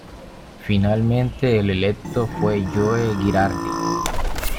Finalmente el electo fue Joe Girardi.